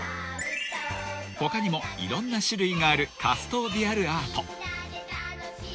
［他にもいろんな種類があるカストーディアルアート］